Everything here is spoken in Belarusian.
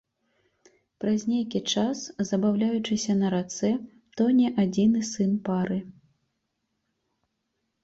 Праз нейкі час, забаўляючыся на рацэ, тоне адзіны сын пары.